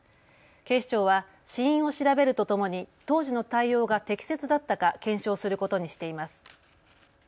警視庁は死因を調べるとともに当時の対応が適切だったか検証することにしています。